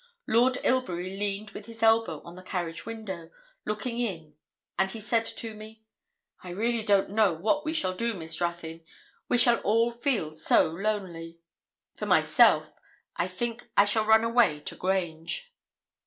Lord Ilbury leaned with his elbow on the carriage window, looking in, and he said to me 'I really don't know what we shall do, Miss Ruthyn; we shall all feel so lonely. For myself, I think I shall run away to Grange.'